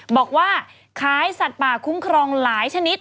บอกว่าขายสัตว์ป่าคุ้มครองหลายชนิด